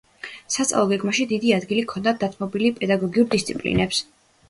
სასწავლო გეგმაში დიდი ადგილი ჰქონდა დათმობილი პედაგოგიურ დისციპლინებს.